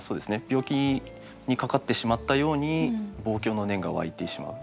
病気にかかってしまったように望郷の念が湧いてしまう。